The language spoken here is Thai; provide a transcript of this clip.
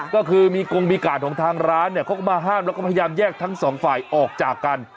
ก็คือมีกงมีกาดของทางร้านเนี่ยเขาก็มาห้ามแล้วก็พยายามแยกทั้งสองฝ่ายออกจากกัน